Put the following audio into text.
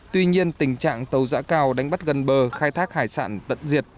tuy nhiên tình trạng tàu dã cao đánh bắt gần bờ khai thác hải sản tận diệt